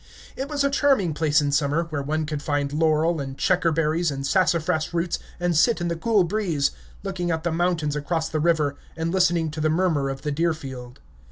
It was a charming place in summer, where one could find laurel, and checkerberries, and sassafras roots, and sit in the cool breeze, looking at the mountains across the river, and listening to the murmur of the Deerfield.